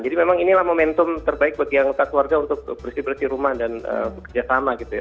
jadi memang inilah momentum terbaik bagi yang satu warga untuk bersih bersih rumah dan bekerja sama gitu ya